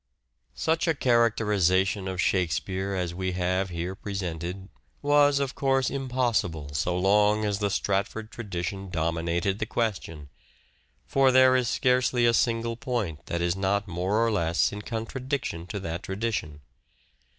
132 " SHAKESPEARE " IDENTIFIED Such a characterization of Shakespeare as we have here presented was, of course, impossible so long as the Stratford tradition dominated the question ; for there is scarcely a single point that is not more or less in contradiction to that tradition.